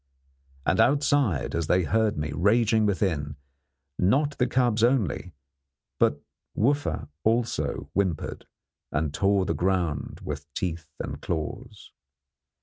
And outside, as they heard me raging within, not the cubs only but Wooffa also whimpered and tore the ground with teeth and claws.